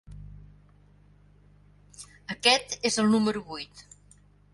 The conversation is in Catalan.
Aquest és el número vuit.